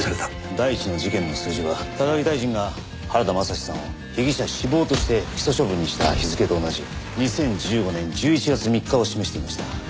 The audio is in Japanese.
第一の事件の数字は高木大臣が原田雅史さんを被疑者死亡として不起訴処分にした日付と同じ２０１５年１１月３日を示していました。